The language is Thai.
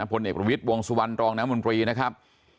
พนเอกวิทย์วงสุวรรณตรองนครบลีนะครับ